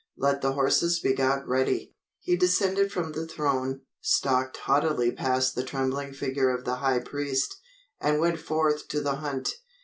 Let the horses be got ready." He descended from the throne, stalked haughtily past the trembling figure of the high priest, and went forth to the hunt.